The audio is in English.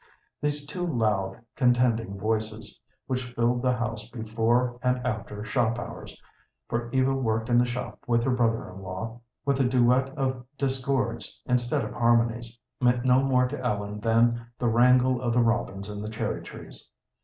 These two loud, contending voices, which filled the house before and after shop hours for Eva worked in the shop with her brother in law with a duet of discords instead of harmonies, meant no more to Ellen than the wrangle of the robins in the cherry trees.